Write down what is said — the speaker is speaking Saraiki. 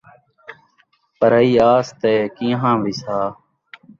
پرائی آس تے کیہاں وِسا